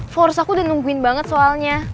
force aku udah nungguin banget soalnya